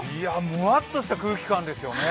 むわっとした空気感ですよね。